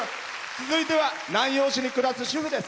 続いては南陽市に暮らす主婦です。